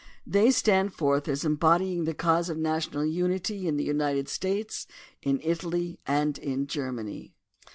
They stand forth as embodying the cause of national unity in the United States, in Italy, and in Germany.